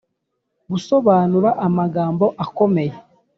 -gusobanura amagambo akomeye;